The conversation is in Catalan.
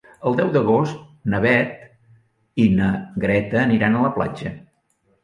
El deu d'agost na Beth i na Greta aniran a la platja.